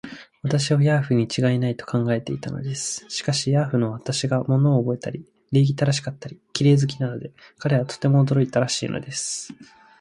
私をヤーフにちがいない、と考えていたのです。しかし、ヤーフの私が物をおぼえたり、礼儀正しかったり、綺麗好きなので、彼はとても驚いたらしいのです。